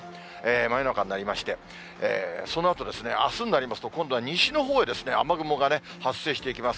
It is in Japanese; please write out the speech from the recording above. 真夜中になりまして、そのあとあすになりますと、今度は西のほうへ、雨雲が発生していきます。